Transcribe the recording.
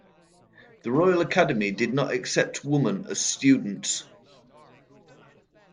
The Royal Academy did not accept woman as students.